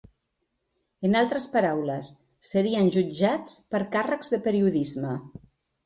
En altres paraules, serien jutjats per càrrecs de periodisme.